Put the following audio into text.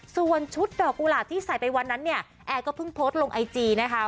ส่วนชุดดอกกุหลาบที่ใส่ไปวันนั้นเนี่ยแอร์ก็เพิ่งโพสต์ลงไอจีนะคะ